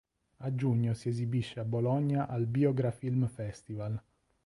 A giugno si esibisce a Bologna al Biografilm Festival.